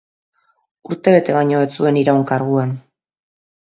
Urtebete baino ez zuen iraun karguan.